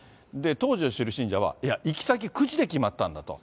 当時を知る信者は、いや、行き先、くじで決まったんだと。